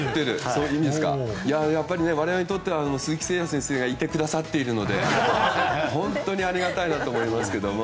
我々にとっては鈴木誠也選手がいてくださっているので本当にありがたいなと思いますけれども。